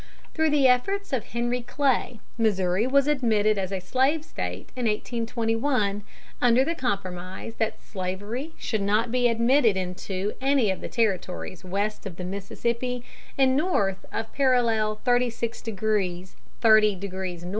Through the efforts of Henry Clay, Missouri was admitted as a slave State in 1821, under the compromise that slavery should not be admitted into any of the Territories west of the Mississippi and north of parallel 36° 30' N.